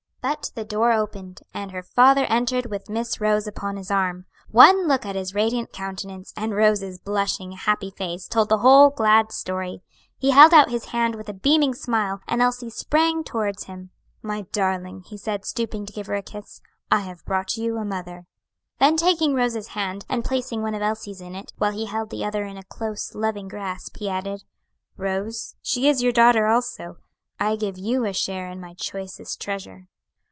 But the door opened, and her father entered with Miss Rose upon his arm. One look at his radiant countenance, and Rose's blushing, happy face told the whole glad story. He held out his hand with a beaming smile, and Elsie sprang towards him. "My darling," he said, stooping to give her a kiss, "I have brought you a mother." Then taking Rose's hand, and placing one of Elsie's in it, while he held the other in a close, loving grasp, he added: "Rose, she is your daughter also. I give you a share in my choicest treasure."